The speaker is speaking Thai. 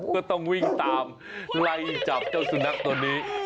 ก็ต้องวิ่งตามไล่จับเจ้าสุนัขตัวนี้